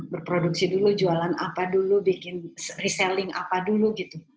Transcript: berproduksi dulu jualan apa dulu bikin reselling apa dulu gitu